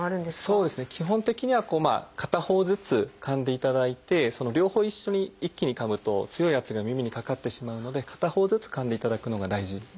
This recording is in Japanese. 基本的には片方ずつかんでいただいて両方一緒に一気にかむと強い圧が耳にかかってしまうので片方ずつかんでいただくのが大事ですね。